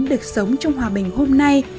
được sống trong hòa bình hôm nay